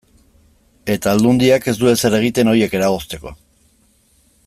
Eta Aldundiak ez du ezer egiten horiek eragozteko.